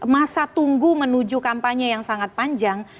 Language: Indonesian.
masa tunggu menuju kampanye yang sangat panjang